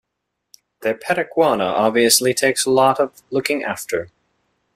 Their pet iguana obviously takes a lot of looking after.